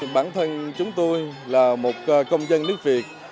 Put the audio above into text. bản thân chúng tôi là một công dân nước việt